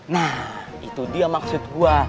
nah itu dia maksud gue